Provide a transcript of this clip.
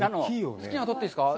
好きなのを取っていいですか。